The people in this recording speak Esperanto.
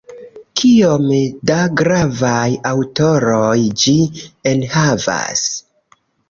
Kiom da gravaj aŭtoroj ĝi enhavas!